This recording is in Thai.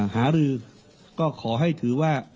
หารือก็ขอให้ถือว่า